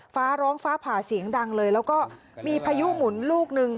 ฟ้าร้องฟ้าผ่าเสียงดังเลยแล้วก็มีพายุหมุนลูกหนึ่ง